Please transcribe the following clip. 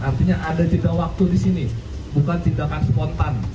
artinya ada jenggak waktu di sini bukan jenggakan spontan